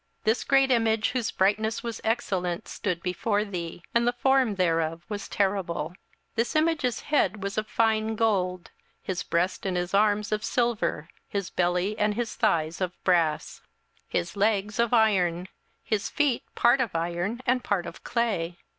This great image, whose brightness was excellent, stood before thee; and the form thereof was terrible. 27:002:032 This image's head was of fine gold, his breast and his arms of silver, his belly and his thighs of brass, 27:002:033 His legs of iron, his feet part of iron and part of clay.